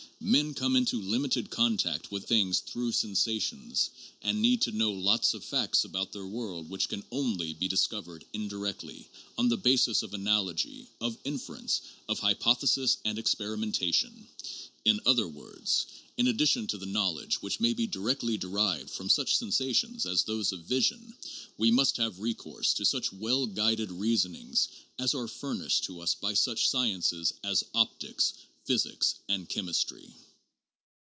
Men come into limited contact with things through sensations and need to know lots of facts about their world which can only be discovered indirectly, on the basis of analogy, of inference, of hypothesis and experimentation. In other words, in addition to the knowledge which may be directly derived from such sensations as those of vision, we must have recourse to such well guided reasonings as are furnished to us by such sciences as optics, physics, and chemistry.